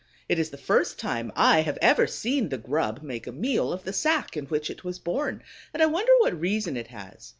It is the first time I have ever seen the grub make a meal of the sack in which it was born, and I wonder what reason it has.